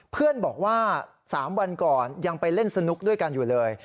เพื่อนบอกว่า๓วันก่อนยังไปเล่นสนุกด้วยกันอยู่เลย